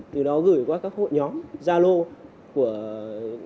từ đó gửi qua các hội nhóm gia lô và các hội đồng tập trung vào công tác tuyên truyền